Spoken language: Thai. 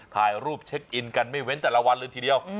ถ่ายรูปเช็คอินกันไม่เว้นแต่ละวันเลยทีเดียว